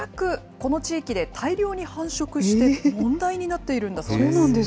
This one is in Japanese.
この地域で大量に繁殖して、問題になっているんだそうです。